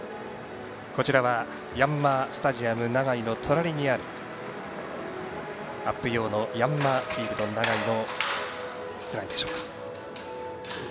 ヤンマースタジアム長居の隣にあるアップ用のヤンマーフィールド長居の室内でしょうか。